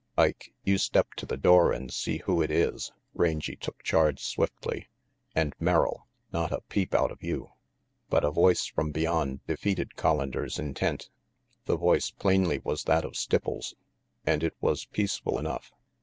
"Ike, you step to the door and see who it is," Rangy took charge swiftly. "And, Merrill, not a peep out of you." But a voice from beyond defeated Collander's intent. The voice plainly was that of Stipples, and it was peaceful enough.